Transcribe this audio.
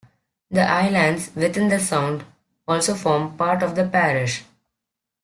The islands within the sound also form part of the parish.